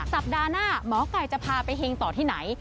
สัปดาห์หน้าหมอไก่จะพาไปเฮงต่อที่ไหน